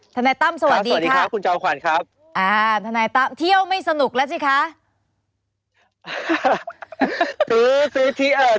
ธนายตั้มสวัสดีค่ะธนายตั้มที่เที่ยวไม่สนุกแล้วสิคะธนายตั้มสวัสดีค่ะคุณเจ้าขวัญครับ